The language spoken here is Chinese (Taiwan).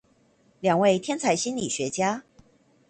兩位天才心理學家